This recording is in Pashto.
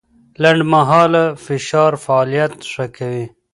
لنډمهاله فشار فعالیت ښه کوي.